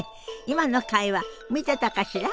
今の会話見てたかしら？